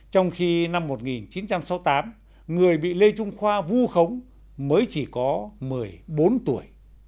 trong khi năm một nghìn chín trăm sáu mươi tám người bị lê trung khoa vu khống mới chỉ có một mươi bốn tuổi